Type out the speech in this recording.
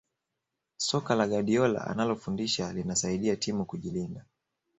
soka la guardiola analofundisha linasaidia timu kujilinda